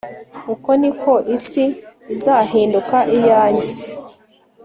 Uko ni ko isi izahinduka iyanjye